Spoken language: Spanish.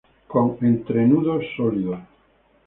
Con entrenudos sólidos.